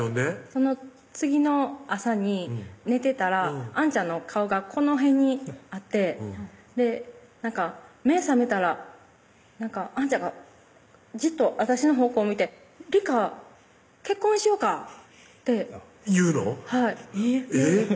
その次の朝に寝てたらあんちゃんの顔がこの辺にあってなんか目ぇ覚めたらあんちゃんがじっと私の方向見て「里香結婚しようか」って言うの？